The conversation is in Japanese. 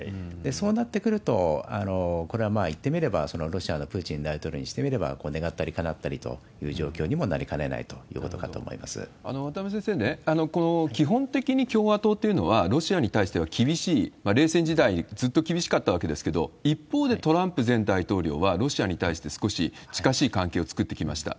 そうなってくると、これはいってみれば、ロシアのプーチン大統領にしてみれば、願ったりかなったりという状況にもなりかねないという状況になる渡辺先生、基本的に共和党というのはロシアに対しては厳しい、冷戦時代、ずっと厳しかったわけですけれども、一方でトランプ前大統領は、ロシアに対して少し近しい関係を作ってきました。